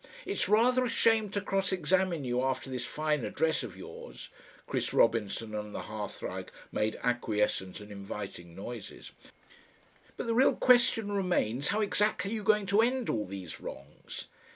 It's rather a shame to cross examine you after this fine address of yours" Chris Robinson on the hearthrug made acquiescent and inviting noises "but the real question remains how exactly are you going to end all these wrongs?